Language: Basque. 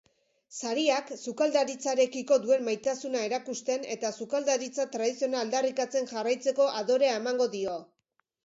Sariak sukaldaritzarekiko duen maitasuna erakusten eta sukaldaritza tradizionala aldarrikatzen jarraitzeko adorea emango dio.